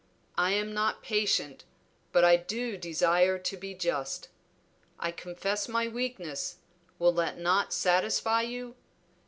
I am not patient, but I do desire to be just. I confess my weakness; will not that satisfy you?